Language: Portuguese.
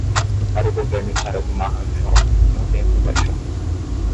Para o governo e para o marranxó, não tenha compaixão.